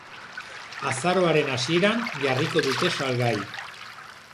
Azaroaren hasieran jarriko dute salgai.